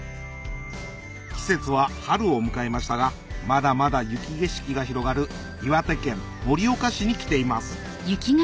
季節は春を迎えましたがまだまだ雪景色が広がる岩手県盛岡市に来ています